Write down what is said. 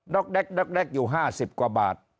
ด๊อกแด๊กด๊อกแด๊กอยู่๕๐กว่าบาท